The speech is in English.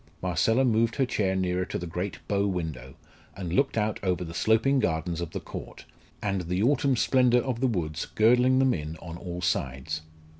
Marcella moved her chair nearer to the great bow window, and looked out over the sloping gardens of the Court, and the autumn splendour of the woods girdling them in on all sides.